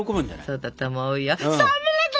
そうだと思うよ。